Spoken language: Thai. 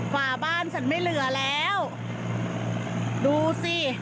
ฝ่าบ้านฉันไม่เหลือแล้วดูสิ